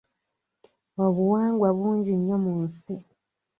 Obuwangwa bungi nnyo mu nsi.